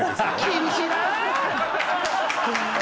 厳しいな！